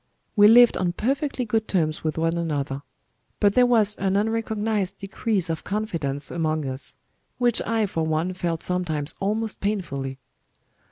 We lived on perfectly good terms with one another; but there was an unrecognized decrease of confidence among us, which I for one felt sometimes almost painfully.